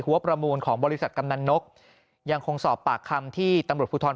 ประมูลของบริษัทกำนันนกยังคงสอบปากคำที่ตำรวจภูทร